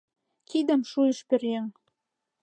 Кидым шуйыш пӧръеҥ —